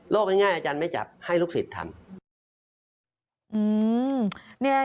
ง่ายอาจารย์ไม่จับให้ลูกศิษย์ทำ